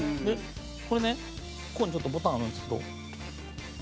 これね、ここに、ちょっとボタンあるんですけど。